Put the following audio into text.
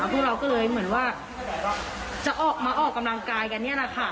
พวกเราก็เลยเหมือนว่าจะออกมาออกกำลังกายกันนี่แหละค่ะ